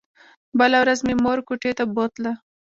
بله ورځ مې مور کوټې ته بوتله.